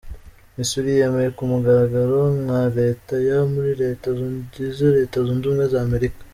Missouri yemewe ku mugaragaronka Leta ya , muri Leta zigize Leta Zunze Ubumwe z’Amerika.